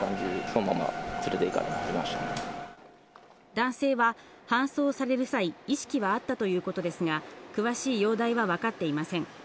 男性は搬送される際、意識はあったということですが、詳しい容体はわかっていません。